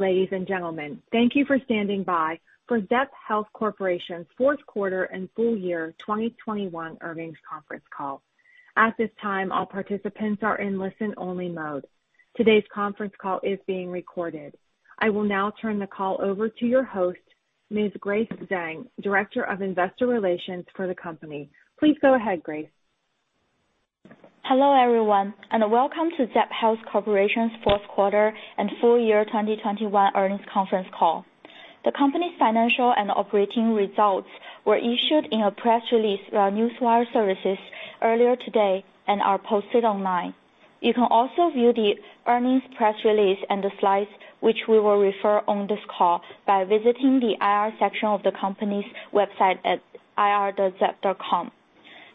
Ladies and gentlemen, thank you for standing by for Zepp Health Corporation's fourth quarter and full year 2021 earnings conference call. At this time, all participants are in listen-only mode. Today's conference call is being recorded. I will now turn the call over to your host, Ms. Grace Zhang, Director of Investor Relations for the company. Please go ahead, Grace. Hello, everyone, and welcome to Zepp Health Corporation's fourth quarter and full year 2021 earnings conference call. The company's financial and operating results were issued in a press release via Newswire Services earlier today and are posted online. You can also view the earnings press release and the slides, which we will refer to on this call, by visiting the IR section of the company's website at ir.zepp.com.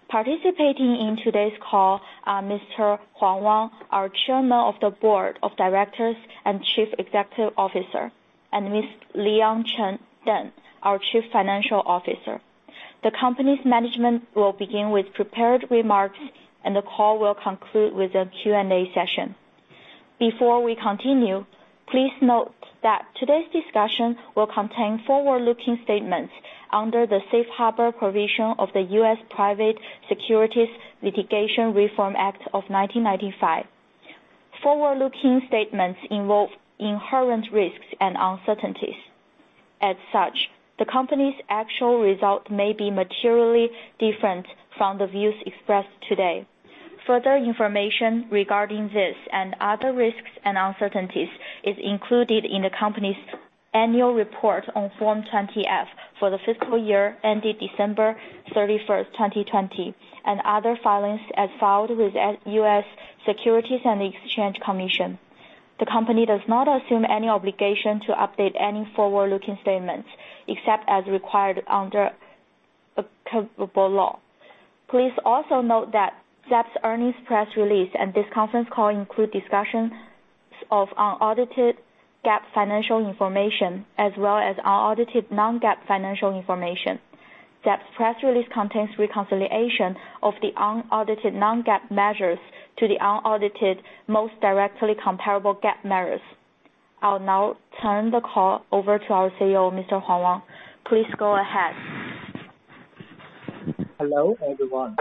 Participating in today's call are Mr. Wang Huang, our Chairman of the Board of Directors and Chief Executive Officer, and Mr. Leon Cheng Deng, our Chief Financial Officer. The company's management will begin with prepared remarks and the call will conclude with a Q&A session. Before we continue, please note that today's discussion will contain forward-looking statements under the Safe Harbor provision of the U.S. Private Securities Litigation Reform Act of 1995. Forward-looking statements involve inherent risks and uncertainties. As such, the company's actual results may be materially different from the views expressed today. Further information regarding this and other risks and uncertainties is included in the company's annual report on Form 20-F for the fiscal year ended December 31, 2020, and other filings as filed with the U.S. Securities and Exchange Commission. The company does not assume any obligation to update any forward-looking statements except as required under applicable law. Please also note that Zepp's earnings press release and this conference call include discussions of unaudited GAAP financial information as well as unaudited non-GAAP financial information. Zepp's press release contains reconciliation of the unaudited non-GAAP measures to the unaudited most directly comparable GAAP measures. I'll now turn the call over to our CEO, Mr. Wang Huang. Please go ahead. Hello, everyone.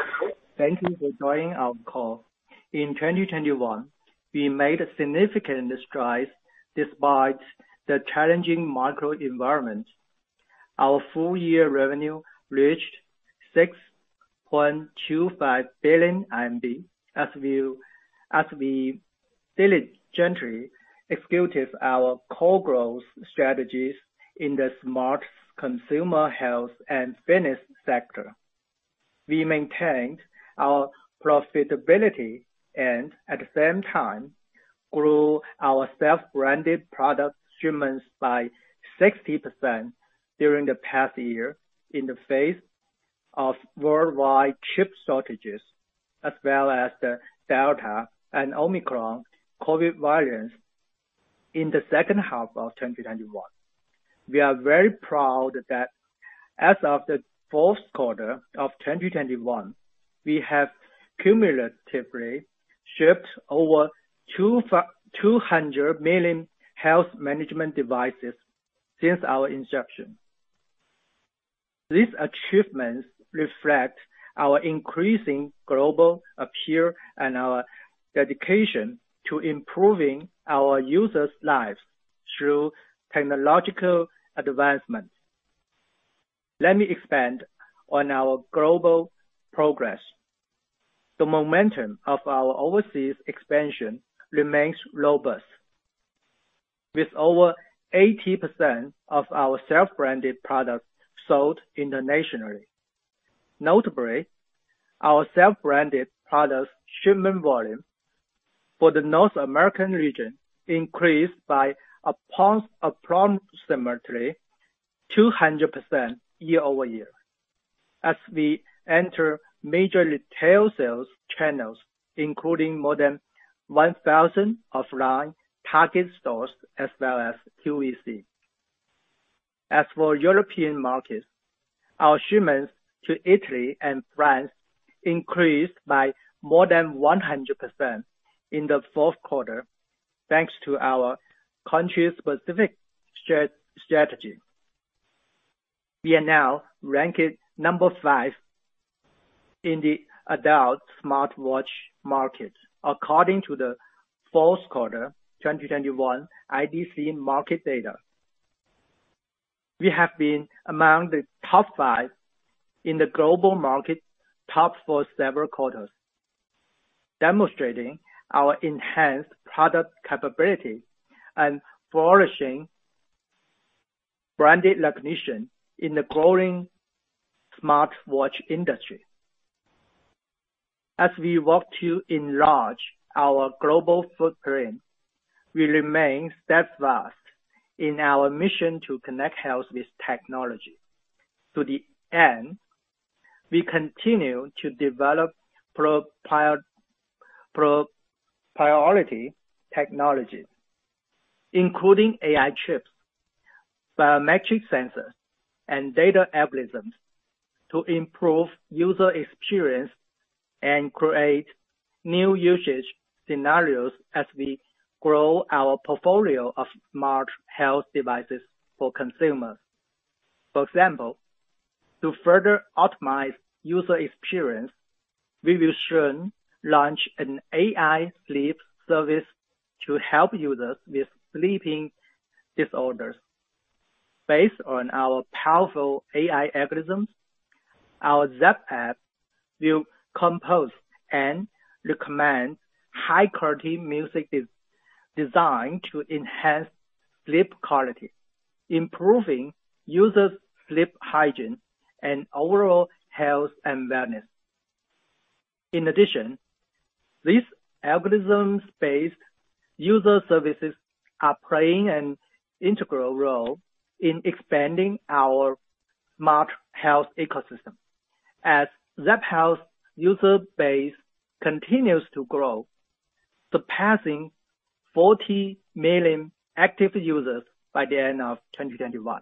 Thank you for joining our call. In 2021, we made significant strides despite the challenging macro environment. Our full year revenue reached 6.25 billion RMB as we diligently executed our core growth strategies in the smart consumer health and fitness sector. We maintained our profitability and at the same time grew our self-branded product shipments by 60% during the past year in the face of worldwide chip shortages, as well as the Delta and Omicron COVID variants in the second half of 2021. We are very proud that as of the fourth quarter of 2021, we have cumulatively shipped over 200 million health management devices since our inception. These achievements reflect our increasing global appeal and our dedication to improving our users' lives through technological advancements. Let me expand on our global progress. The momentum of our overseas expansion remains robust, with over 80% of our self-branded products sold internationally. Notably, our self-branded products shipment volume for the North American region increased by approximately 200% year-over-year as we enter major retail sales channels, including more than 1,000 offline Target stores as well as QVC. As for European markets, our shipments to Italy and France increased by more than 100% in the fourth quarter, thanks to our country-specific strategy. We are now ranked number five in the adult smartwatch market according to the fourth quarter 2021 IDC market data. We have been among the top five in the global market top for several quarters, demonstrating our enhanced product capability and flourishing brand recognition in the growing smartwatch industry. As we work to enlarge our global footprint, we remain steadfast in our mission to connect health with technology. To the end, we continue to develop priority technologies, including AI chips, biometric sensors and data algorithms to improve user experience and create new usage scenarios as we grow our portfolio of smart health devices for consumers. For example, to further optimize user experience, we will soon launch an AI sleep service to help users with sleeping disorders. Based on our powerful AI algorithms, our Zepp app will compose and recommend high-quality music designed to enhance sleep quality, improving users' sleep hygiene and overall health and wellness. In addition, these algorithms-based user services are playing an integral role in expanding our smart health ecosystem as Zepp Health user base continues to grow, surpassing 40 million active users by the end of 2021.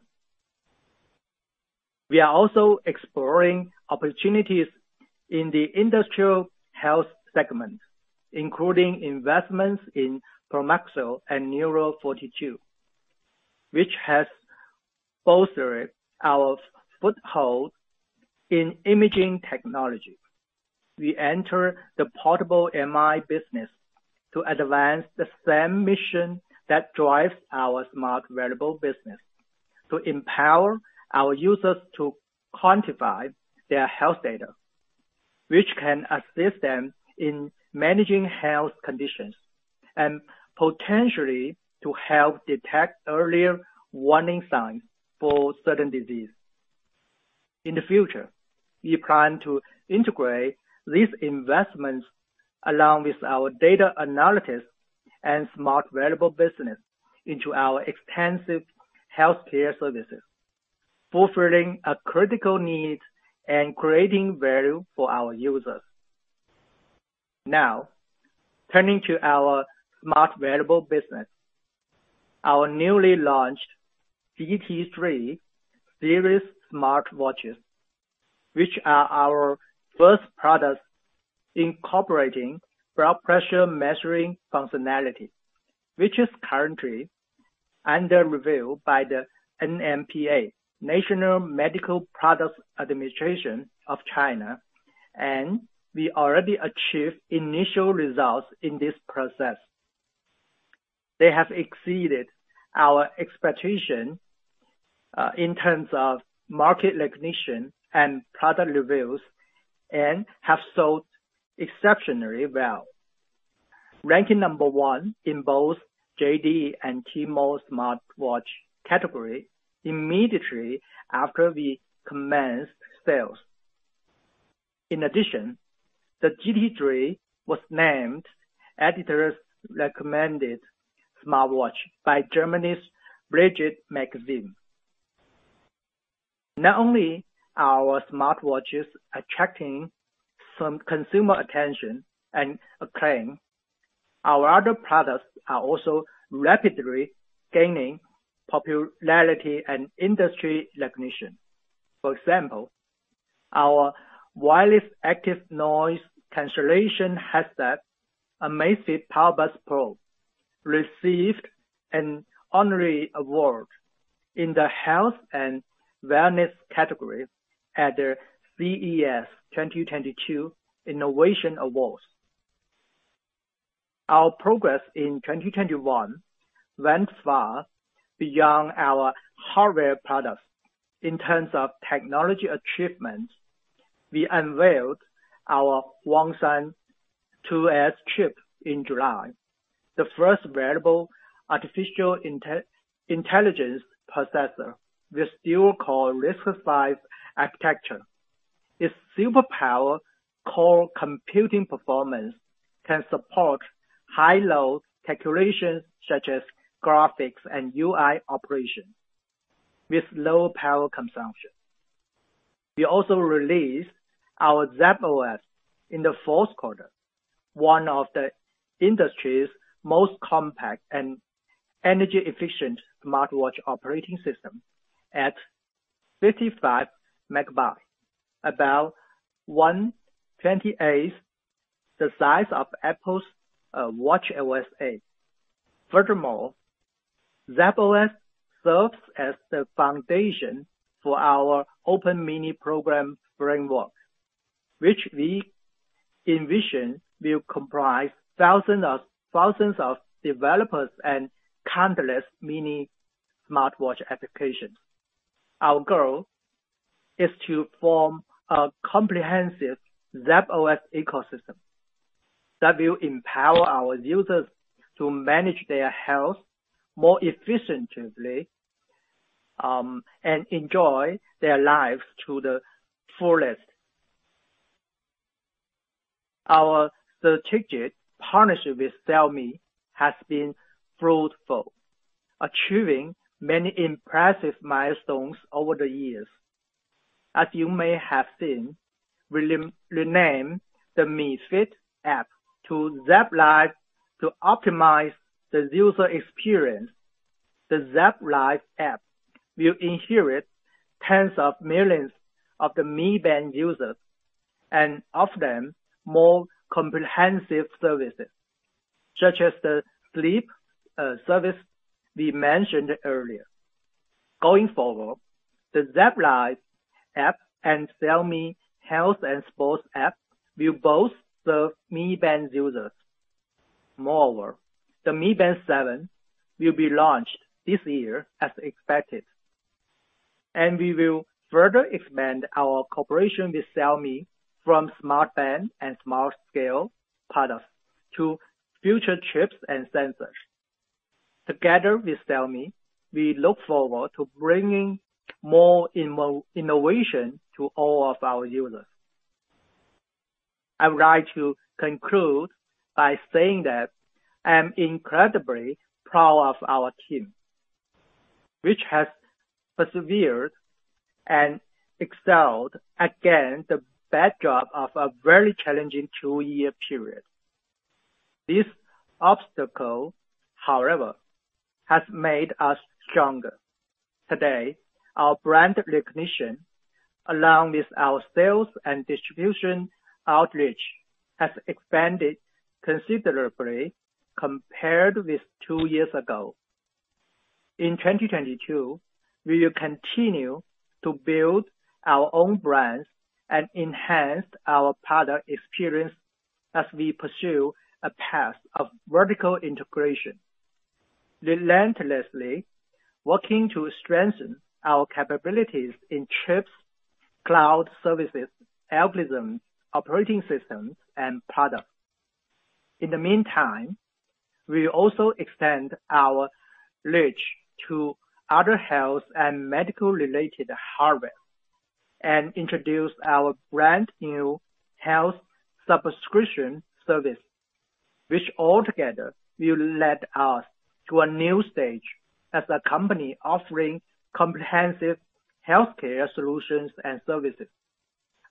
We are also exploring opportunities in the industrial health segment, including investments in Promaxo and neuro42, which has bolstered our foothold in imaging technology. We enter the portable MRI business to advance the same mission that drives our smart wearable business, to empower our users to quantify their health data, which can assist them in managing health conditions and potentially to help detect earlier warning signs for certain disease. In the future, we plan to integrate these investments along with our data analysis and smart wearable business into our extensive healthcare services, fulfilling a critical need and creating value for our users. Now, turning to our smart wearable business. Our newly launched GT 3 series smartwatches, which are our first products-incorporating blood pressure measuring functionality, which is currently under review by the NMPA, National Medical Products Administration of China, and we already achieved initial results in this process. They have exceeded our expectation in terms of market recognition and product reviews, and have sold exceptionally well, ranking number one in both JD and Tmall smartwatch category immediately after we commenced sales. In addition, the GT 3 was named Editor's Recommended Smartwatch by Germany's Brigitte magazine. Not only are our smartwatches attracting some consumer attention and acclaim, our other products are also rapidly gaining popularity and industry recognition. For example, our wireless active noise cancellation headset, Amazfit PowerBuds Pro, received an honorary award in the Health and Wellness category at the CES 2022 Innovation Awards. Our progress in 2021 went far beyond our hardware products. In terms of technology achievements, we unveiled our Huangshan 2s chip in July, the first wearable artificial intelligence processor with dual-core RISC-V architecture. Its superpower core computing performance can support high load calculations such as graphics and UI operations with low power consumption. We also released our Zepp OS in the fourth quarter, one of the industry's most compact and energy-efficient smartwatch operating system at 55 MB, about 1/28, the size of Apple's watchOS 8. Furthermore, Zepp OS serves as the foundation for our open mini program framework, which we envision will comprise thousands of developers and countless mini smartwatch applications. Our goal is to form a comprehensive Zepp OS ecosystem that will empower our users to manage their health more effectively and enjoy their lives to the fullest. Our strategic partnership with Xiaomi has been fruitful, achieving many impressive milestones over the years. As you may have seen, we rename the Mi Fit app to Zepp Life to optimize the user experience. The Zepp Life app will inherit tens of millions of the Mi Band users and offer them more comprehensive services, such as the sleep service we mentioned earlier. Going forward, the Zepp Life app and Xiaomi Health and Sports app will both serve Mi Band users. Moreover, the Mi Band 7 will be launched this year as expected, and we will further expand our cooperation with Xiaomi from smart band and smart scale products to future chips and sensors. Together with Xiaomi, we look forward to bringing more innovation to all of our users. I would like to conclude by saying that I'm incredibly proud of our team, which has persevered and excelled against the backdrop of a very challenging two-year period. This obstacle, however, has made us stronger. Today, our brand recognition, along with our sales and distribution outreach, has expanded considerably compared with two years ago. In 2022, we will continue to build our own brands and enhance our product experience as we pursue a path of vertical integration, relentlessly working to strengthen our capabilities in chips, cloud services, algorithms, operating systems, and products. In the meantime, we also extend our reach to other health and medical-related hardware and introduce our brand new health subscription service, which altogether will lead us to a new stage as a company offering comprehensive healthcare solutions and services.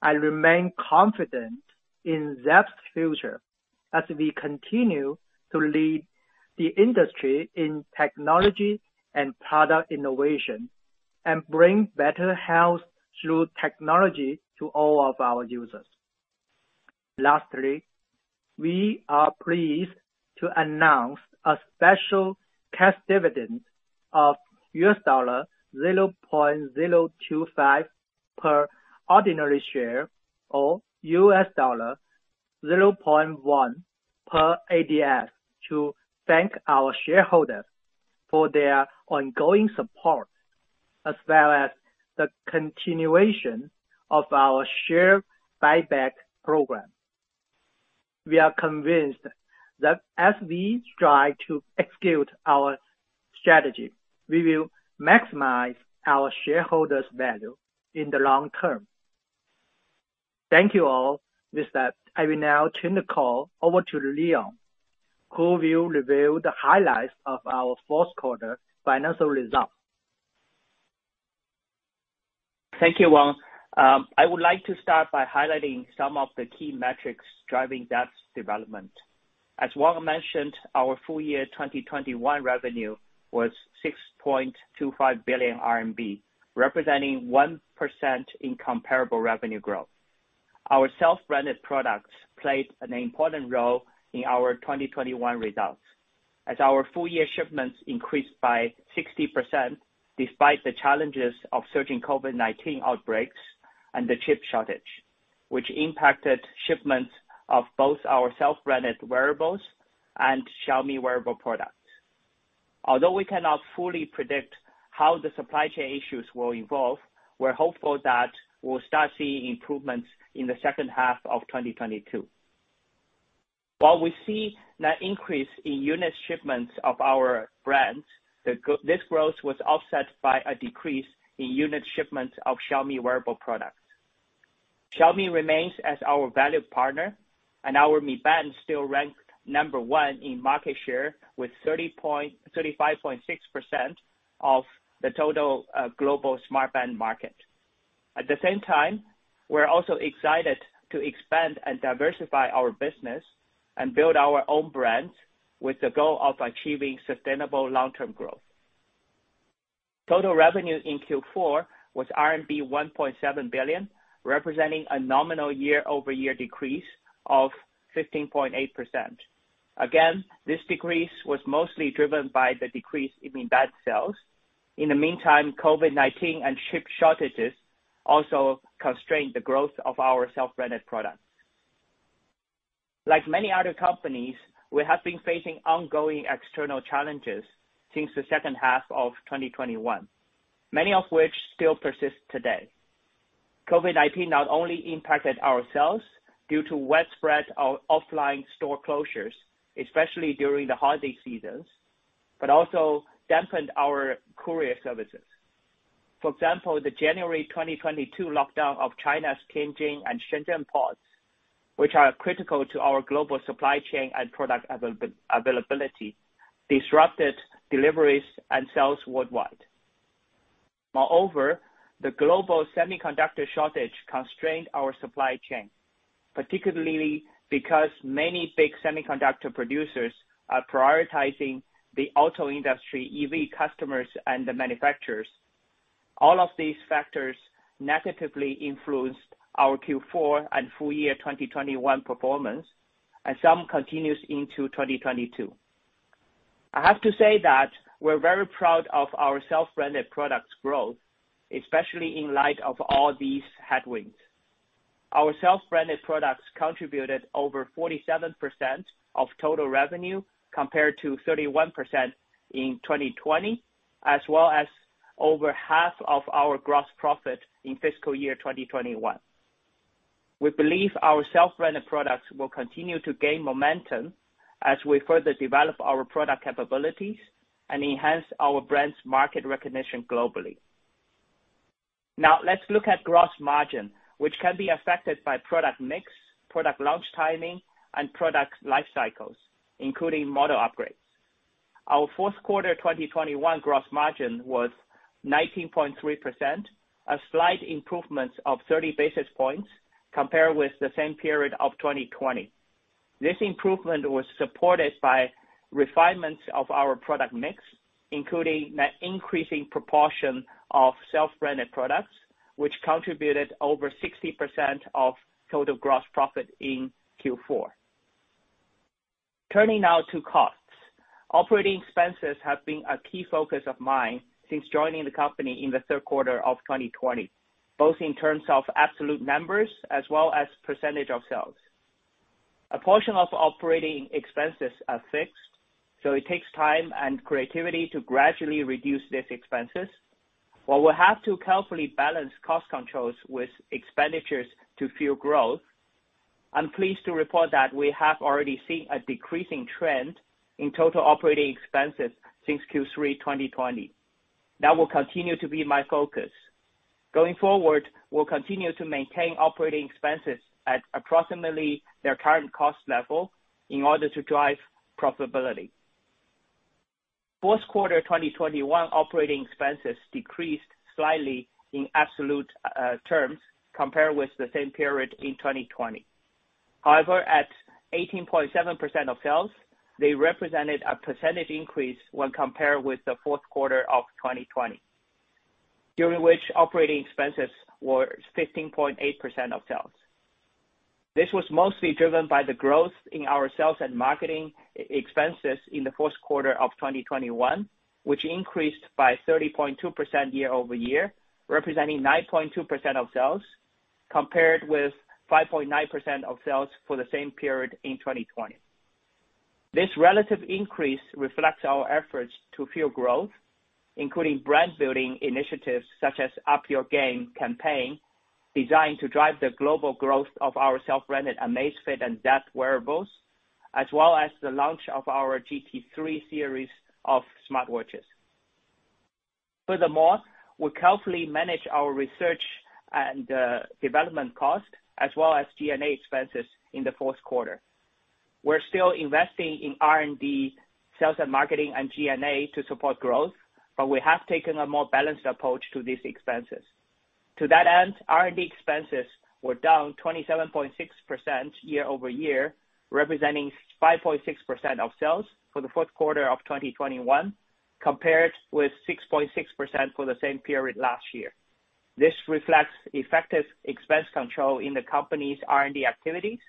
I remain confident in Zepp's future as we continue to lead the industry in technology and product innovation and bring better health through technology to all of our users. Lastly, we are pleased to announce a special cash dividend of $0.025 per ordinary share, or $0.10 per ADS, to thank our shareholders for their ongoing support, as well as the continuation of our share buyback program. We are convinced that as we strive to execute our strategy, we will maximize our shareholders' value in the long term. Thank you all. With that, I will now turn the call over to Leon, who will reveal the highlights of our fourth quarter financial results. Thank you, Wang. I would like to start by highlighting some of the key metrics driving Zepp's development. As Wang mentioned, our full year 2021 revenue was 6.25 billion RMB, representing 1% in comparable revenue growth. Our self-branded products played an important role in our 2021 results, as our full year shipments increased by 60% despite the challenges of surging COVID-19 outbreaks and the chip shortage, which impacted shipments of both our self-branded wearables and Xiaomi wearable products. Although we cannot fully predict how the supply chain issues will evolve, we're hopeful that we'll start seeing improvements in the second half of 2022. While we see net increase in unit shipments of our brands, this growth was offset by a decrease in unit shipments of Xiaomi wearable products. Xiaomi remains as our valued partner, and our Mi Band still ranked number one in market share with 35.6% of the total global smart band market. At the same time, we're also excited to expand and diversify our business and build our own brands with the goal of achieving sustainable long-term growth. Total revenue in Q4 was RMB 1.7 billion, representing a nominal year-over-year decrease of 15.8%. Again, this decrease was mostly driven by the decrease in Mi Band sales. In the meantime, COVID-19 and chip shortages also constrained the growth of our self-branded products. Like many other companies, we have been facing ongoing external challenges since the second half of 2021, many of which still persist today. COVID-19 not only impacted our sales due to widespread of offline store closures, especially during the holiday seasons, but also dampened our courier services. For example, the January 2022 lockdown of China's Tianjin and Shenzhen ports, which are critical to our global supply chain and product availability, disrupted deliveries and sales worldwide. Moreover, the global semiconductor shortage constrained our supply chain, particularly because many big semiconductor producers are prioritizing the auto industry, EV customers, and the manufacturers. All of these factors negatively influenced our Q4 and full-year 2021 performance, and some continues into 2022. I have to say that we're very proud of our self-branded products growth, especially in light of all these headwinds. Our self-branded products contributed over 47% of total revenue compared to 31% in 2020, as well as over half of our gross profit in fiscal year 2021. We believe our self-branded products will continue to gain momentum as we further develop our product capabilities and enhance our brand's market recognition globally. Now let's look at gross margin, which can be affected by product mix, product launch timing, and product life cycles, including model upgrades. Our fourth quarter 2021 gross margin was 19.3%, a slight improvement of 30 basis points compared with the same period of 2020. This improvement was supported by refinements of our product mix, including an increasing proportion of self-branded products, which contributed over 60% of total gross profit in Q4. Turning now to costs. Operating expenses have been a key focus of mine since joining the company in the third quarter of 2020, both in terms of absolute numbers as well as percentage of sales. A portion of operating expenses are fixed, so it takes time and creativity to gradually reduce these expenses. While we have to carefully balance cost controls with expenditures to fuel growth, I'm pleased to report that we have already seen a decreasing trend in total operating expenses since Q3 2020. That will continue to be my focus. Going forward, we'll continue to maintain operating expenses at approximately their current cost level in order to drive profitability. Fourth quarter 2021 operating expenses decreased slightly in absolute terms compared with the same period in 2020. However, at 18.7% of sales, they represented a percentage increase when compared with the fourth quarter of 2020, during which operating expenses were 15.8% of sales. This was mostly driven by the growth in our sales and marketing expenses in the fourth quarter of 2021, which increased by 30.2% year-over-year, representing 9.2% of sales, compared with 5.9% of sales for the same period in 2020. This relative increase reflects our efforts to fuel growth, including brand-building initiatives such as Up Your Game campaign, designed to drive the global growth of our self-branded Amazfit and Zepp wearables, as well as the launch of our GT 3 series of smartwatches. Furthermore, we carefully manage our research and development costs as well as G&A expenses in the fourth quarter. We're still investing in R&D, sales and marketing, and G&A to support growth, but we have taken a more balanced approach to these expenses. To that end, R&D expenses were down 27.6% year-over-year, representing 5.6% of sales for the fourth quarter of 2021, compared with 6.6% for the same period last year. This reflects effective expense control in the company's R&D activities,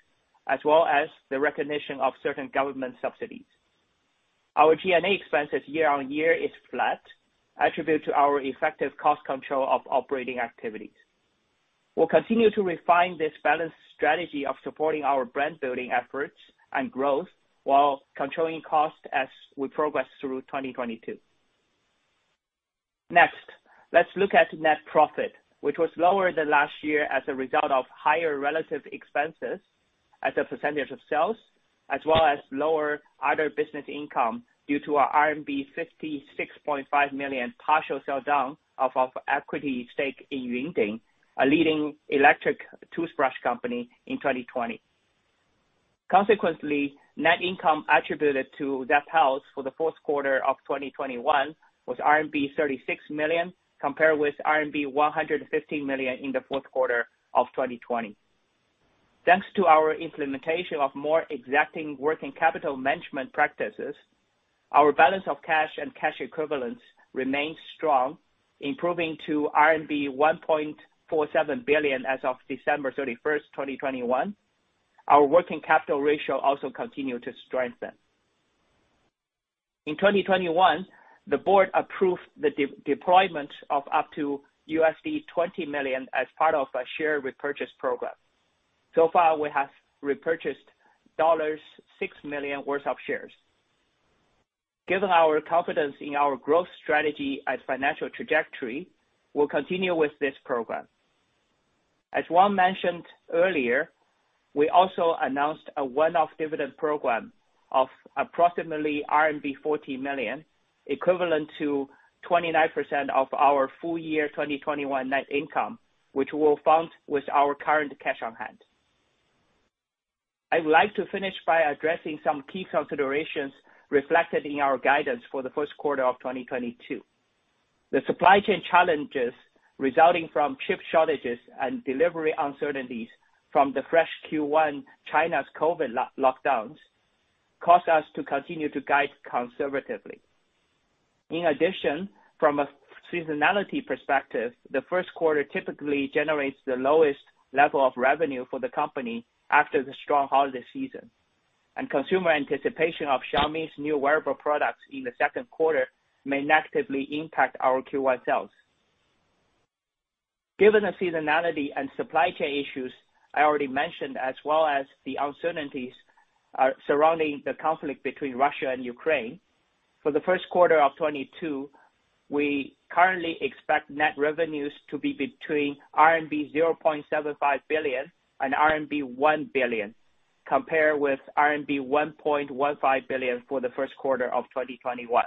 as well as the recognition of certain government subsidies. Our G&A expenses year-on-year is flat, attributed to our effective cost control of operating activities. We'll continue to refine this balanced strategy of supporting our brand building efforts and growth while controlling costs as we progress through 2022. Next, let's look at net profit, which was lower than last year as a result of higher relative expenses as a percentage of sales, as well as lower other business income due to our RMB 56.5 million partial sell down of our equity stake in [Yueqing], a leading electric toothbrush company, in 2020. Consequently, net income attributed to Zepp Health for the fourth quarter of 2021 was RMB 36 million, compared with RMB 115 million in the fourth quarter of 2020. Thanks to our implementation of more exacting working capital management practices, our balance of cash and cash equivalents remains strong, improving to RMB 1.47 billion as of December 31, 2021. Our working capital ratio also continued to strengthen.a In 2021, the board approved the deployment of up to $20 million as part of a share repurchase program. So far, we have repurchased $6 million worth of shares. Given our confidence in our growth strategy and financial trajectory, we'll continue with this program. As Wang mentioned earlier, we also announced a one-off dividend program of approximately RMB 40 million, equivalent to 29% of our full year 2021 net income, which we'll fund with our current cash on hand. I would like to finish by addressing some key considerations reflected in our guidance for the first quarter of 2022. The supply chain challenges resulting from chip shortages and delivery uncertainties from the fresh Q1 China's COVID lockdowns caused us to continue to guide conservatively. In addition, from a seasonality perspective, the first quarter typically generates the lowest level of revenue for the company after the strong holiday season. Consumer anticipation of Xiaomi's new wearable products in the second quarter may negatively impact our Q1 sales. Given the seasonality and supply chain issues I already mentioned, as well as the uncertainties surrounding the conflict between Russia and Ukraine, for the first quarter of 2022, we currently expect net revenues to be between RMB 0.75 billion and RMB 1 billion, compared with RMB 1.15 billion for the first quarter of 2021.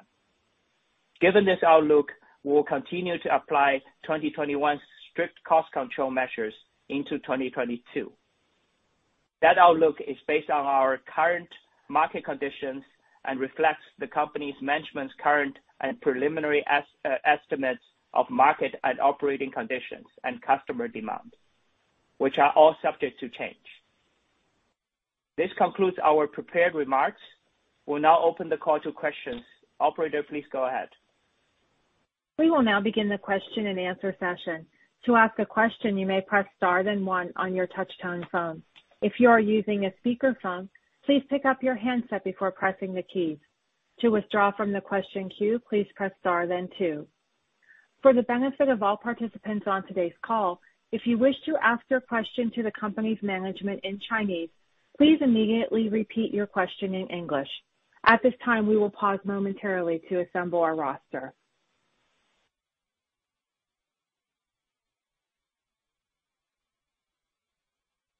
Given this outlook, we'll continue to apply 2021's strict cost control measures into 2022. That outlook is based on our current market conditions and reflects the company's management's current and preliminary estimates of market and operating conditions and customer demand, which are all subject to change. This concludes our prepared remarks. We'll now open the call to questions. Operator, please go ahead. We will now begin the question-and-answer session. To ask a question, you may press star then one on your touch-tone phone. If you are using a speakerphone, please pick up your handset before pressing the keys. To withdraw from the question queue, please press star then two. For the benefit of all participants on today's call, if you wish to ask your question to the company's management in Chinese, please immediately repeat your question in English. At this time, we will pause momentarily to assemble our roster.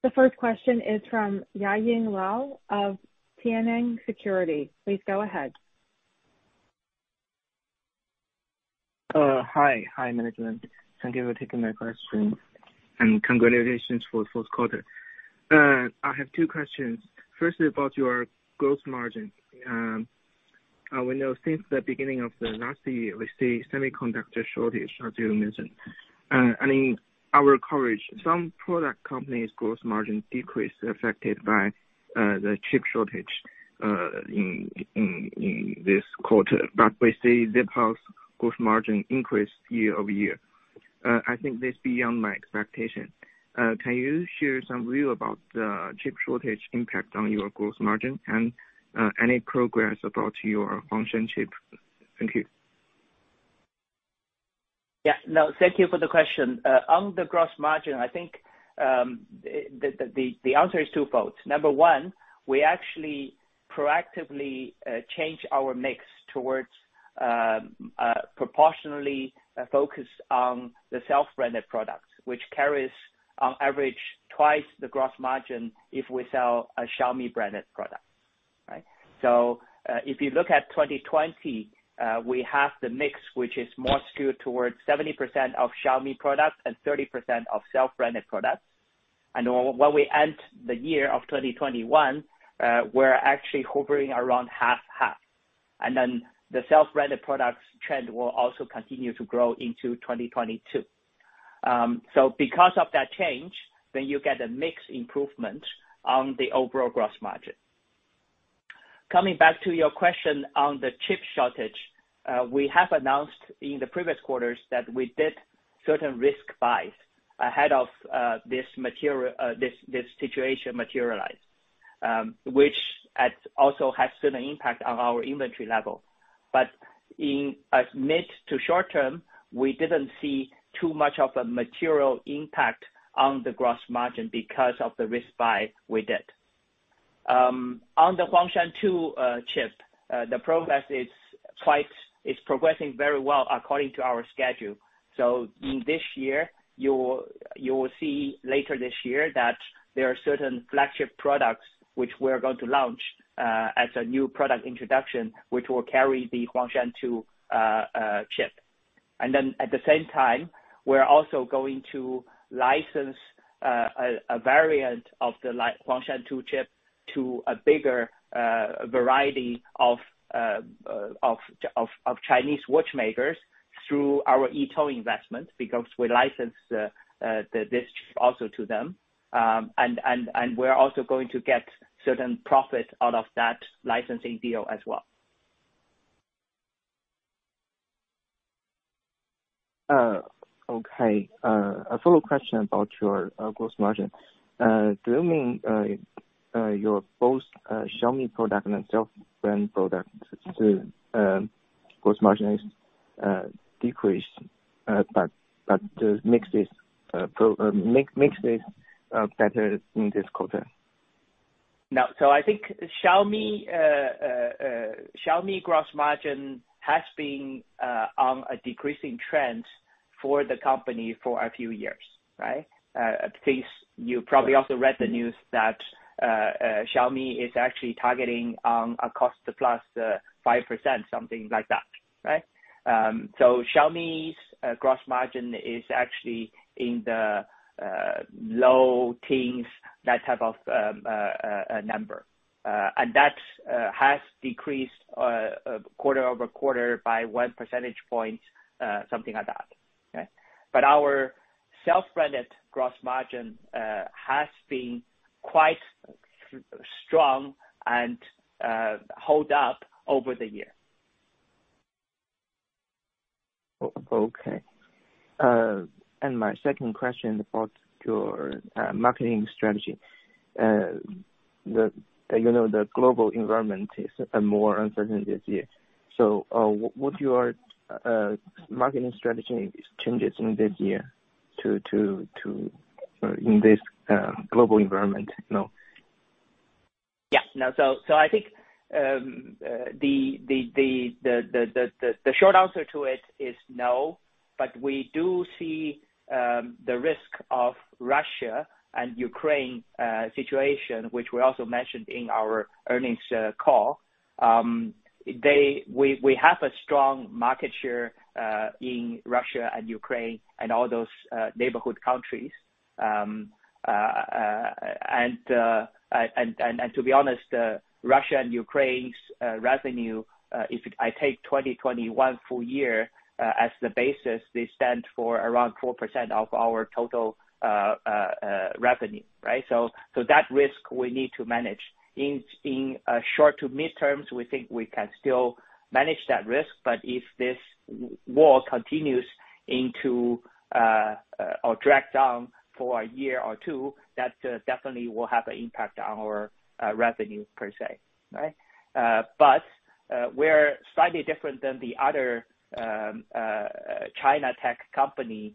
The first question is from Yayang Luo of Tianfeng Securities. Please go ahead. Hi. Hi, management. Thank you for taking my question, and congratulations for the fourth quarter. I have two questions. Firstly, about your gross margin. We know since the beginning of the last year, we see semiconductor shortage, as you mentioned. In our coverage, some product companies' gross margin decreased affected by the chip shortage in this quarter. We see Zepp's gross margin increased year-over-year. I think that's beyond my expectation. Can you share some view about the chip shortage impact on your gross margin and any progress about your Huangshan chip? Thank you. Yeah, no, thank you for the question. On the gross margin, I think the answer is twofold. Number one, we actually proactively change our mix towards proportionally focused on the self-branded products, which carries on average twice the gross margin if we sell a Xiaomi-branded product. Right? If you look at 2020, we have the mix which is more skewed towards 70% of Xiaomi products and 30% of self-branded products. When we end the year of 2021, we're actually hovering around half-half. The self-branded products trend will also continue to grow into 2022. Because of that change, you get a mix improvement on the overall gross margin. Coming back to your question on the chip shortage, we have announced in the previous quarters that we did certain risk buys ahead of this situation materialize, which also has certain impact on our inventory level. In a mid to short term, we didn't see too much of a material impact on the gross margin because of the risk buy we did. On the Huangshan 2 chip, it's progressing very well according to our schedule. In this year, you will see later this year that there are certain flagship products which we are going to launch as a new product introduction, which will carry the Huangshan 2 chip. At the same time, we're also going to license a variant of the, like, Huangshan 2 chip to a bigger variety of Chinese watchmakers through our [SiFive] investment, because we licensed this chip also to them. We're also going to get certain profit out of that licensing deal as well. Okay. A follow-up question about your gross margin. Do you mean your both Xiaomi product and self-brand product to gross margin is decreased, but makes this better in this quarter? No. I think Xiaomi gross margin has been on a decreasing trend for the company for a few years, right? At least you probably also read the news that Xiaomi is actually targeting a cost to +5%, something like that, right? Xiaomi's gross margin is actually in the low teens, that type of number. That has decreased quarter-over-quarter by 1 percentage point, something like that. Okay. Our self-branded gross margin has been quite strong and hold up over the year. Okay. My second question about your marketing strategy. The global environment is more uncertain this year. What your marketing strategy changes in this year to, in this global environment now? Yes. No, I think the short answer to it is no, but we do see the risk of Russia and Ukraine situation, which we also mentioned in our earnings call. We have a strong market share in Russia and Ukraine and all those neighborhood countries. To be honest, Russia and Ukraine's revenue, if I take 2021 full year as the basis, they stand for around 4% of our total revenue, right? That risk we need to manage. In short to midterms, we think we can still manage that risk. If this war continues into or drags on for a year or two, that definitely will have an impact on our revenue per se. Right? We're slightly different than the other China tech company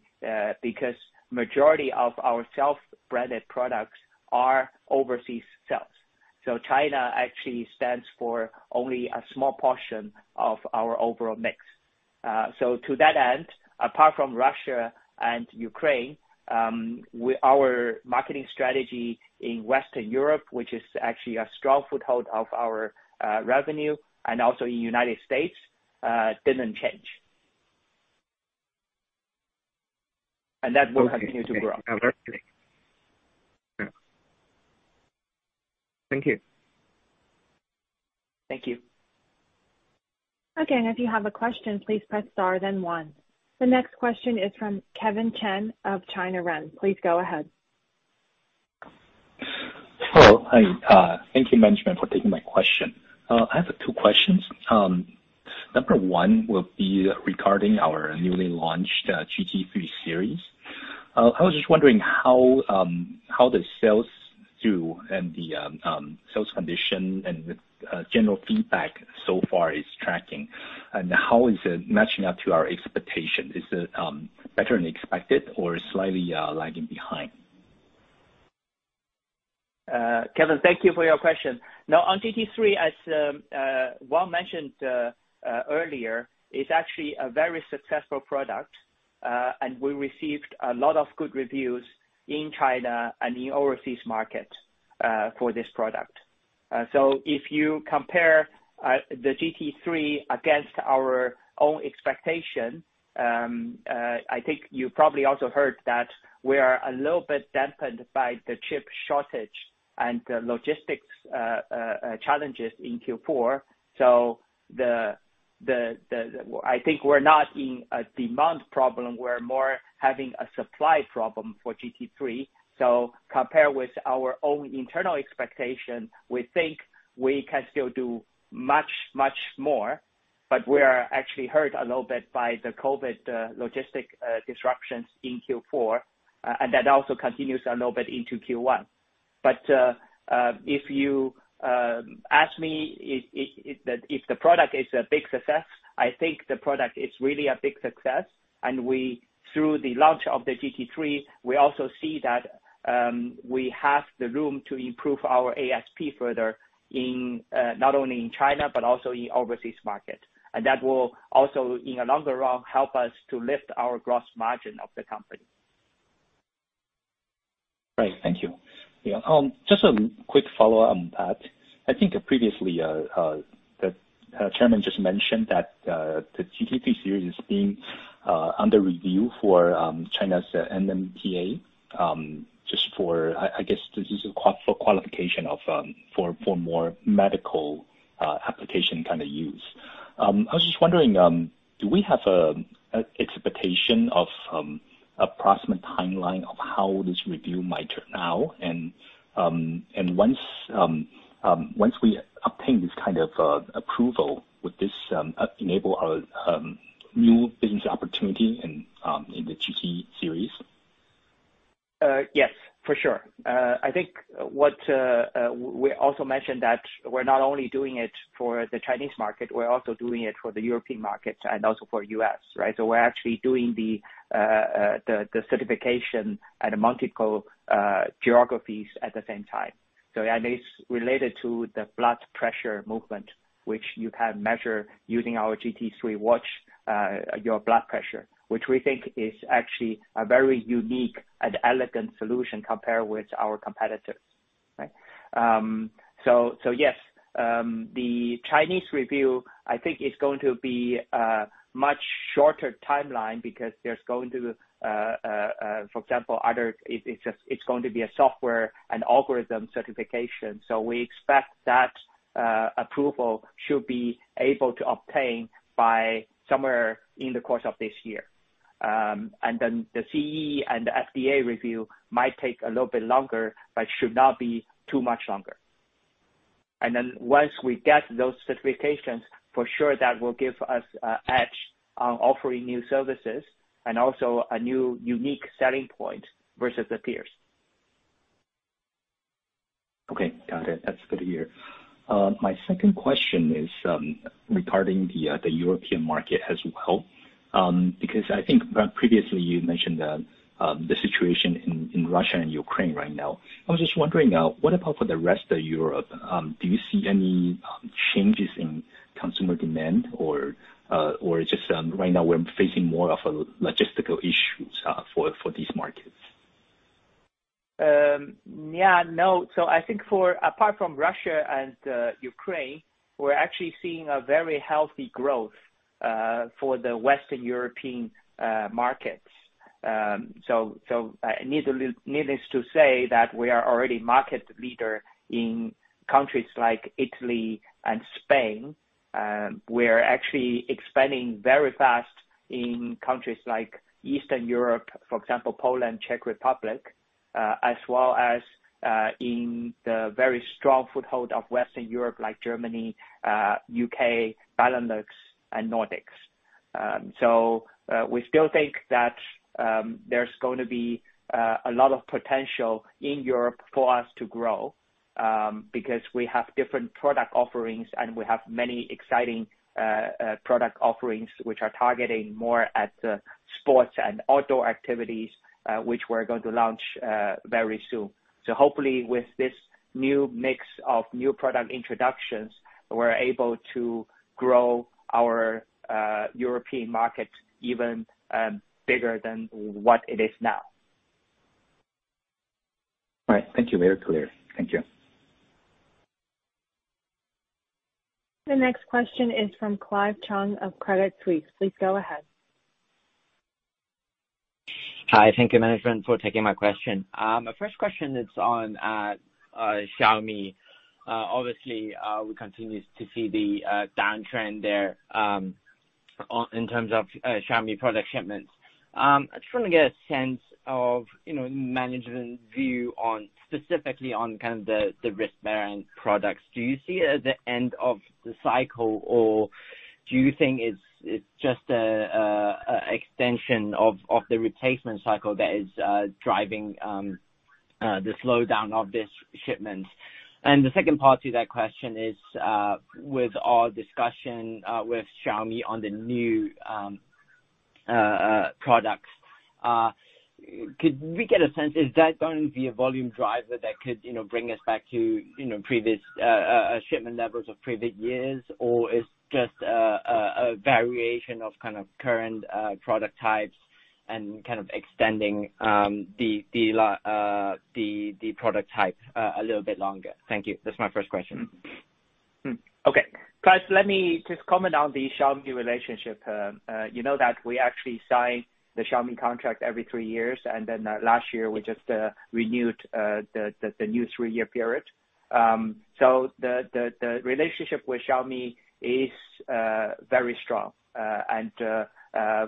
because majority of our self-branded products are overseas sales. China actually stands for only a small portion of our overall mix. To that end, apart from Russia and Ukraine, our marketing strategy in Western Europe, which is actually a strong foothold of our revenue, and also in United States, didn't change. That will continue to grow. Okay. Thank you. Thank you. Okay. If you have a question, please press star then one. The next question is from Kevin Xie of China Renaissance. Please go ahead. Hello. Hi. Thank you, management, for taking my question. I have two questions. Number one will be regarding our newly launched GT 3 series. I was just wondering how the sales do and the sales condition and the general feedback so far is tracking, and how is it matching up to our expectation? Is it better than expected or slightly lagging behind? Kevin, thank you for your question. Now, on GT 3, as Wang mentioned earlier, is actually a very successful product, and we received a lot of good reviews in China and in overseas market, for this product. If you compare the GT 3 against our own expectation, I think you probably also heard that we are a little bit dampened by the chip shortage and the logistics challenges in Q4. I think we're not in a demand problem, we're more having a supply problem for GT 3. Compared with our own internal expectation, we think we can still do much, much more, but we are actually hurt a little bit by the COVID logistic disruptions in Q4, and that also continues a little bit into Q1. If you ask me if the product is a big success, I think the product is really a big success, and we, through the launch of the GT 3, we also see that we have the room to improve our ASP further in not only in China, but also in overseas market. That will also, in the longer run, help us to lift our gross margin of the company. Right. Thank you. Yeah. Just a quick follow on that. I think previously, the Chairman just mentioned that the GT 3 series is being under review for China's NMPA, just for, I guess this is for qualification for more medical application kind of use. I was just wondering, do we have a expectation of approximate timeline of how this review might turn out? Once we obtain this kind of approval, would this enable a new business opportunity in the GT series? Yes, for sure. We also mentioned that we're not only doing it for the Chinese market, we're also doing it for the European markets and also for the U.S., right? We're actually doing the certification at multiple geographies at the same time. It's related to the blood pressure measurement, which you can measure your blood pressure using our GT 3 watch, which we think is actually a very unique and elegant solution compared with our competitors, right? Yes, the Chinese review I think is going to be a much shorter timeline because it's just going to be a software and algorithm certification. We expect that approval should be able to obtain by somewhere in the course of this year. The CE and the FDA review might take a little bit longer, but should not be too much longer. Once we get those certifications, for sure, that will give us an edge on offering new services and also a new unique selling point versus the peers. Okay. Got it. That's good to hear. My second question is, regarding the European market as well, because I think previously you mentioned the situation in Russia and Ukraine right now. I was just wondering, what about for the rest of Europe, do you see any changes in consumer demand or just, right now we're facing more of a logistical issues for these markets? Yeah, no. I think apart from Russia and Ukraine, we're actually seeing a very healthy growth for the Western European markets. Needless to say that we are already market leader in countries like Italy and Spain. We're actually expanding very fast in countries like Eastern Europe, for example, Poland, Czech Republic, as well as in the very strong foothold of Western Europe like Germany, U.K., Benelux and Nordics. We still think that there's going to be a lot of potential in Europe for us to grow, because we have different product offerings and we have many exciting product offerings which are targeting more at the sports and outdoor activities, which we're going to launch very soon. Hopefully with this new mix of new product introductions, we're able to grow our European market even bigger than what it is now. All right. Thank you. Very clear. Thank you. The next question is from Clive Cheung of Credit Suisse. Please go ahead. Hi. Thank you, management, for taking my question. My first question is on Xiaomi. Obviously, we continue to see the downtrend there in terms of Xiaomi product shipments. I just want to get a sense of, you know, management view on, specifically on kind of the wristband products. Do you see it as the end of the cycle, or do you think it's just an extension of the replacement cycle that is driving the slowdown of this shipment? The second part to that question is, with our discussion with Xiaomi on the new products, could we get a sense, is that going to be a volume driver that could, you know, bring us back to, you know, previous shipment levels of previous years? It's just a variation of kind of current product types and kind of extending the product type a little bit longer? Thank you. That's my first question. Okay. Clive, let me just comment on the Xiaomi relationship. You know that we actually sign the Xiaomi contract every three years, and then last year we just renewed the new three-year period. The relationship with Xiaomi is very strong.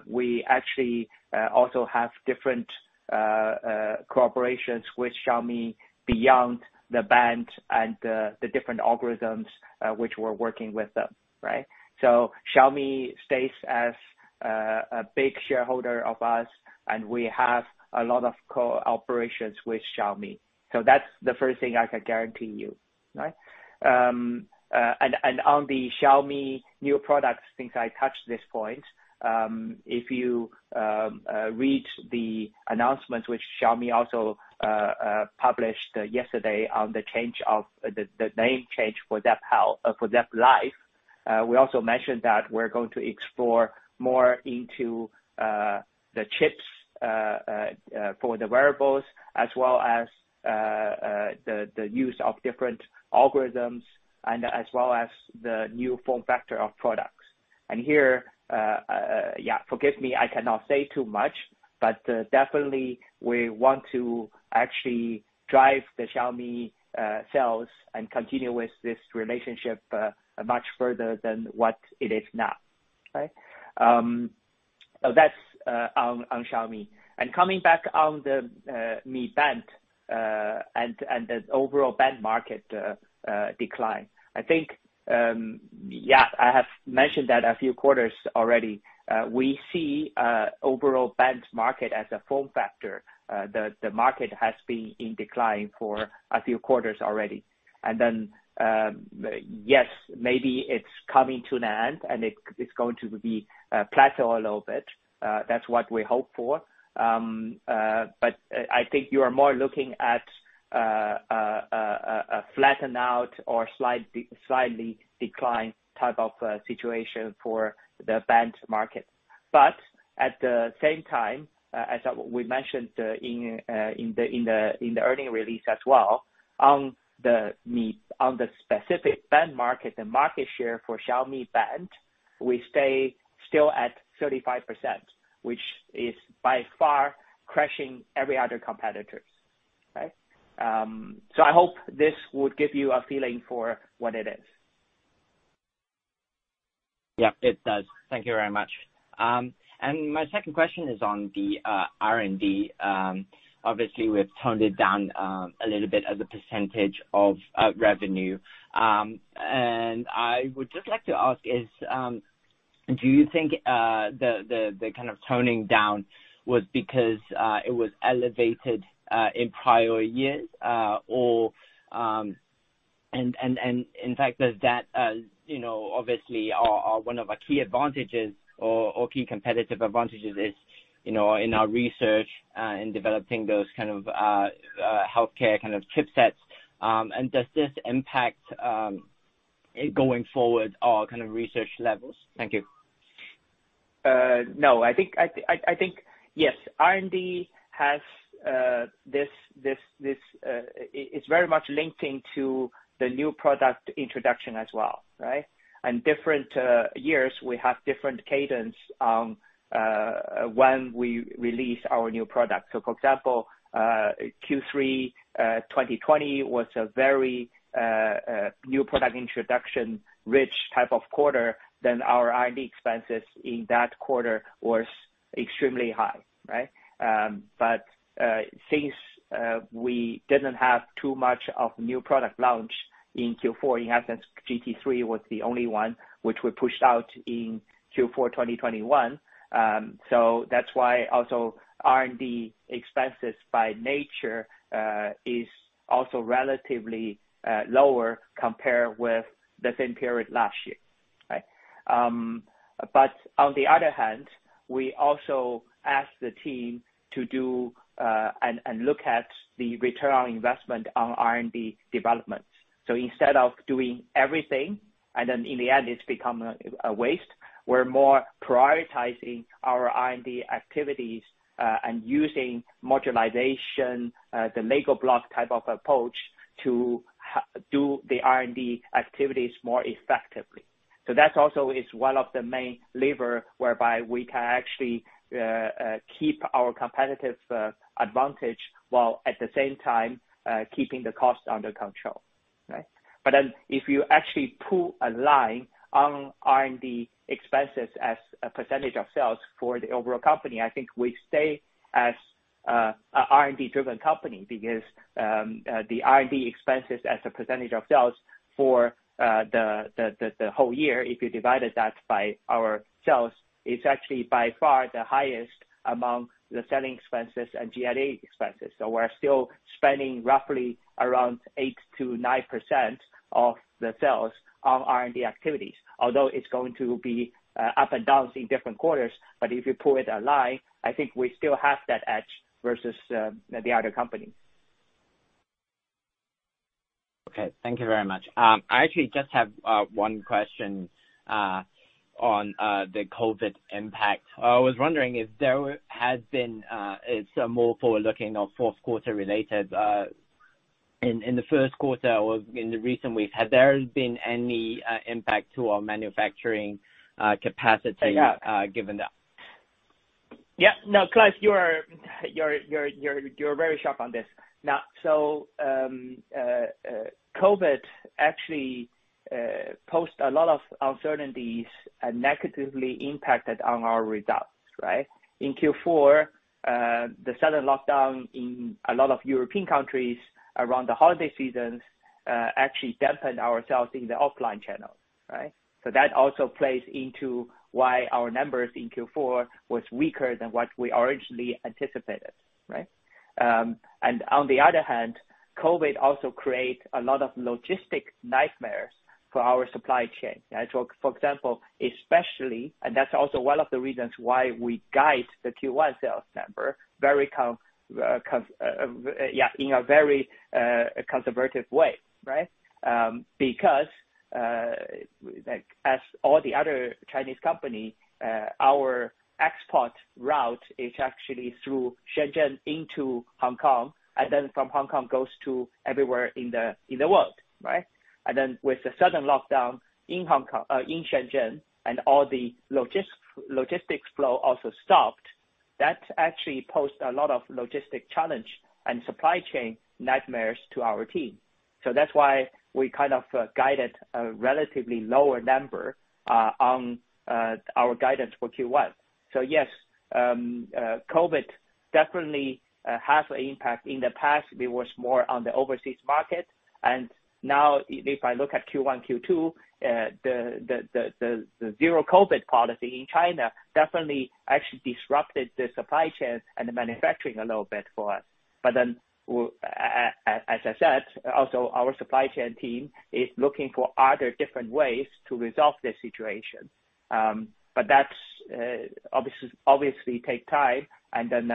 We actually also have different collaborations with Xiaomi beyond the band and the different algorithms which we're working with them, right? Xiaomi stays as a big shareholder of us, and we have a lot of cooperations with Xiaomi. That's the first thing I can guarantee you, right? On the Xiaomi new products, since I touched this point, if you read the announcement which Xiaomi also published yesterday of the name change for Zepp Life, we also mentioned that we're going to explore more into the chips for the wearables as well as the use of different algorithms and as well as the new form factor of products. Here, yeah, forgive me, I cannot say too much, but definitely we want to actually drive the Xiaomi sales and continue with this relationship much further than what it is now, right? That's on Xiaomi. Coming back on the Mi Band and the overall band market decline. I think, yeah, I have mentioned that a few quarters already. We see overall band market as a form factor. The market has been in decline for a few quarters already. Yes, maybe it's coming to an end and it's going to be plateau a little bit. That's what we hope for. I think you are more looking at a flatten out or slightly decline type of situation for the band market. At the same time, as we mentioned, in the earnings release as well, on the specific band market, the market share for Xiaomi band, we stay still at 35%, which is by far crushing every other competitors. Right? I hope this would give you a feeling for what it is. Yeah. It does. Thank you very much. My second question is on the R&D. Obviously, we've toned it down a little bit as a percentage of revenue. I would just like to ask is do you think the kind of toning down was because it was elevated in prior years or and in fact does that you know obviously one of our key advantages or key competitive advantages is, you know, in our research in developing those kind of healthcare kind of chipsets. Does this impact going forward our kind of research levels? Thank you. No, I think yes, R&D, it's very much linking to the new product introduction as well, right? In different years, we have different cadence on when we release our new product. For example, Q3 2020 was a very new product introduction rich type of quarter, then our R&D expenses in that quarter was extremely high, right? Since we didn't have too much of new product launch in Q4, in essence, GT 3 was the only one which we pushed out in Q4 2021. That's why also R&D expenses by nature is also relatively lower compared with the same period last year. Right? On the other hand, we also ask the team to do and look at the return on investment on R&D development. Instead of doing everything, and then in the end, it's become a waste, we're more prioritizing our R&D activities and using modularization, the Lego-block-type of approach to do the R&D activities more effectively. That also is one of the main lever whereby we can actually keep our competitive advantage while at the same time keeping the cost under control. Right? If you actually pull a line on R&D expenses as a percentage of sales for the overall company, I think we stay as an R&D-driven company because the R&D expenses as a percentage of sales for the whole year, if you divided that by our sales, it's actually by far the highest among the selling expenses and G&A expenses. We're still spending roughly around 8%-9% of sales on R&D activities, although it's going to be up and down in different quarters. If you pull it a line, I think we still have that edge versus the other company. Okay. Thank you very much. I actually just have one question on the COVID impact. I was wondering, it's more forward-looking or fourth-quarter-related. In the first quarter or in the recent weeks, has there been any impact to our manufacturing capacity given that— Yeah. No, Clive, you're very sharp on this. Now, COVID actually posed a lot of uncertainties and negatively impacted on our results, right? In Q4, the sudden lockdown in a lot of European countries around the holiday seasons actually dampened our sales in the offline channel, right? That also plays into why our numbers in Q4 was weaker than what we originally anticipated, right? On the other hand, COVID also create a lot of logistical nightmares for our supply chain. For example, especially, and that's also one of the reasons why we guide the Q1 sales number in a very conservative way, right? Because, like, as all the other Chinese companies, our export route is actually through Shenzhen into Hong Kong, and then from Hong Kong goes to everywhere in the world, right? With the sudden lockdown in Shenzhen and all the logistics flow also stopped, that actually posed a lot of logistics challenges and supply chain nightmares to our team. That's why we kind of guided a relatively lower number on our guidance for Q1. Yes, COVID definitely has an impact. In the past, it was more on the overseas market. Now if I look at Q1, Q2, the zero COVID policy in China definitely actually disrupted the supply chain and the manufacturing a little bit for us. As I said, also our supply chain team is looking for other different ways to resolve the situation. That's obviously going to take time and then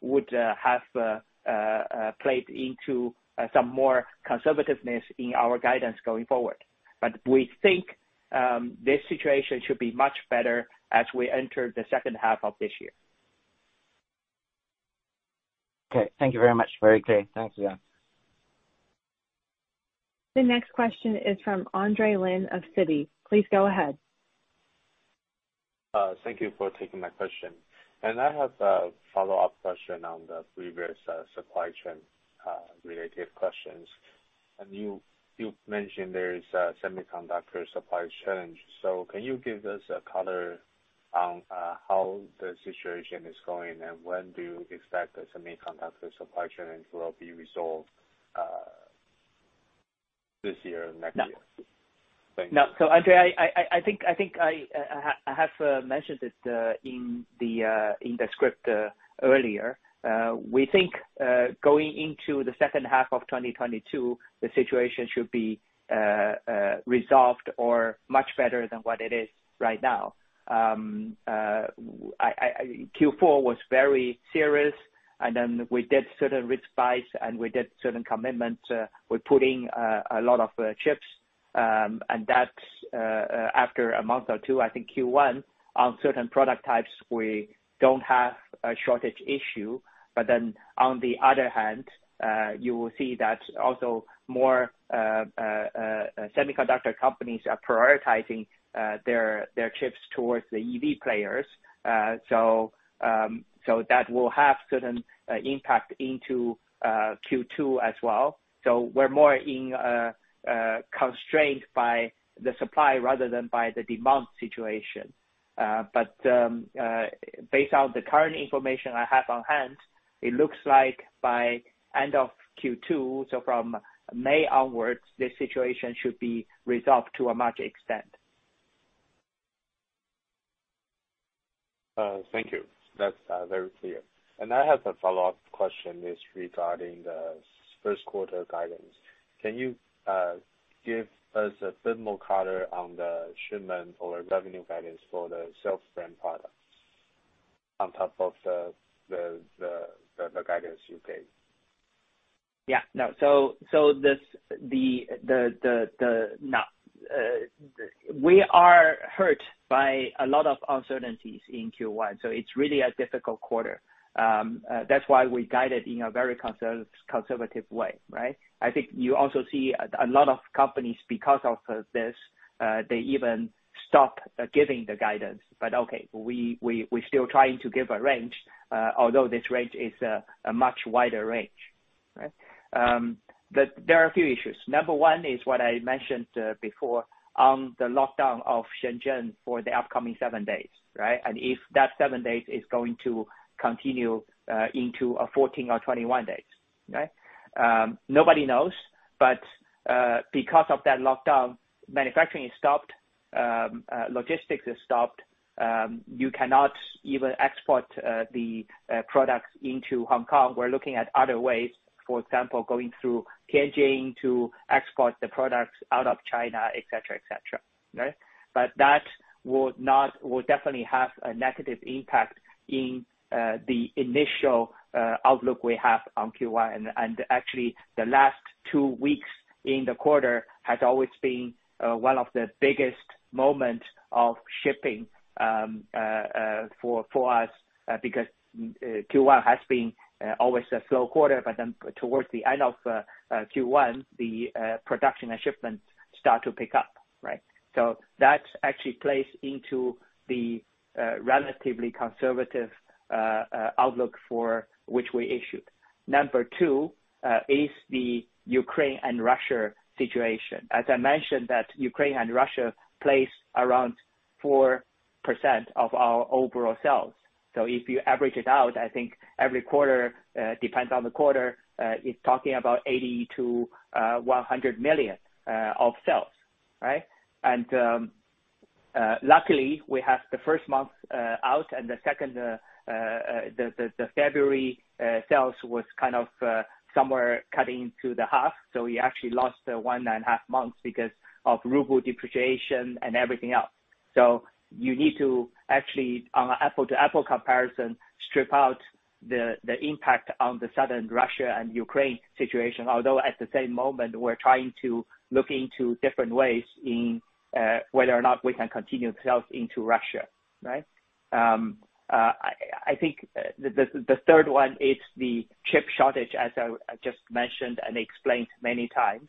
would have played into some more conservativeness in our guidance going forward. We think this situation should be much better as we enter the second half of this year. Okay. Thank you very much. Very clear. Thanks again. The next question is from Andre Lin of Citi. Please go ahead. Thank you for taking my question. I have a follow-up question on the previous supply-chain-related questions. You mentioned there is a semiconductor supply challenge. Can you give us a color on how the situation is going, and when do you expect the semiconductor supply chain will be resolved, this year or next year? Thank you. No, Andre, I think I have mentioned it in the script earlier. We think going into the second half of 2022, the situation should be resolved or much better than what it is right now. Q4 was very serious, and then we did certain risk buys, and we did certain commitments. We're putting a lot of chips. And that's after a month or two, I think Q1, on certain product types we don't have a shortage issue. On the other hand, you will see that also more semiconductor companies are prioritizing their chips towards the EV players. That will have certain impact into Q2 as well. We're more constrained by the supply rather than by the demand situation. Based on the current information I have on hand, it looks like by end of Q2, so from May onwards, this situation should be resolved to a much extent. Thank you. That's very clear. I have a follow-up question is regarding the first quarter guidance. Can you give us a bit more color on the shipment or revenue guidance for the self-brand products on top of the guidance you gave? We are hurt by a lot of uncertainties in Q1, so it's really a difficult quarter. That's why we guided in a very conservative way, right? I think you also see a lot of companies because of this, they even stop giving the guidance. Okay, we still trying to give a range, although this range is a much wider range, right? There are a few issues. Number one is what I mentioned before on the lockdown of Shenzhen for the upcoming seven days, right? If that seven days is going to continue into 14 or 21 days, right? Nobody knows. Because of that lockdown, manufacturing is stopped. Logistics is stopped. You cannot even export the products into Hong Kong. We're looking at other ways, for example, going through Tianjin to export the products out of China, et cetera, et cetera, right? That would definitely have a negative impact in the initial outlook we have on Q1. Actually, the last two weeks in the quarter has always been one of the biggest moment of shipping for us because Q1 has been always a slow quarter, but then towards the end of Q1, the production and shipments start to pick up, right? That actually plays into the relatively conservative outlook for which we issued. Number two is the Ukraine and Russia situation. As I mentioned that Ukraine and Russia plays around 4% of our overall sales. If you average it out, I think every quarter, depends on the quarter, it's talking about $80 million-$100 million of sales, right? Luckily, we have the first month out and the second, the February sales was kind of somewhere cut to the half. We actually lost one and a half months because of Ruble depreciation and everything else. You need to actually, on an apple-to-apple comparison, strip out the impact on the Southern Russia and Ukraine situation. Although, at the same moment, we're trying to look into different ways in whether or not we can continue sales into Russia, right? I think the third one is the chip shortage, as I just mentioned and explained many times.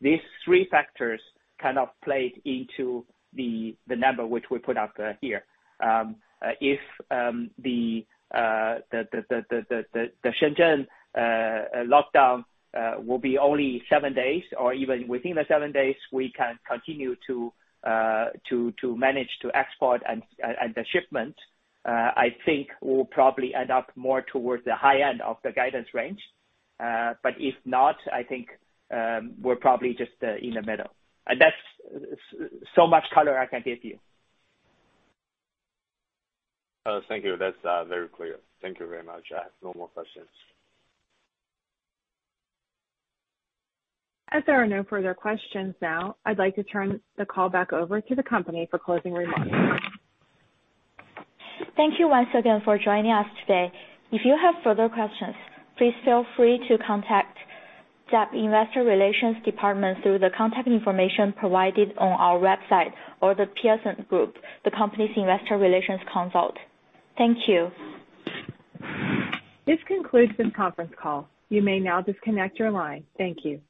These three factors kind of played into the number which we put out here. If the Shenzhen lockdown will be only seven days or even within the seven days, we can continue to manage to export and the shipment, I think will probably end up more towards the high end of the guidance range. If not, I think we're probably just in the middle. That's so much color I can give you. Thank you. That's very clear. Thank you very much. I have no more questions. As there are no further questions now, I'd like to turn the call back over to the company for closing remarks. Thank you once again for joining us today. If you have further questions, please feel free to contact Zepp Investor Relations department through the contact information provided on our website or the Piacente Group, the company's Investor Relations consultant. Thank you. This concludes this conference call. You may now disconnect your line. Thank you.